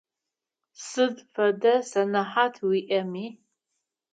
Сыд фэдэ сэнэхьат уиIэми.